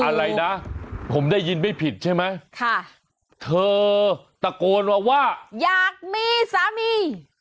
อะไรนะผมได้ยินไม่ผิดใช่ไหมค่ะเธอตะโกนมาว่าอยากมีสามี